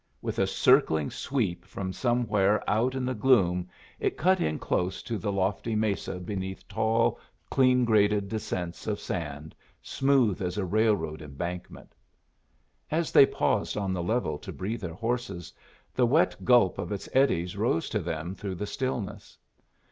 With a circling sweep from somewhere out in the gloom it cut in close to the lofty mesa beneath tall clean graded descents of sand, smooth as a railroad embankment. As they paused on the level to breathe their horses, the wet gulp of its eddies rose to them through the stillness.